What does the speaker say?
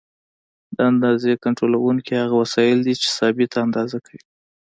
د اندازې کنټرولونکي هغه وسایل دي چې ثابته اندازه کوي.